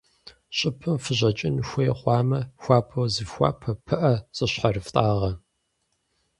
ЩӀыбым фыщӀэкӀын хуей хъуамэ, хуабэу зыфхуапэ, пыӏэ зыщхьэрыфтӏагъэ.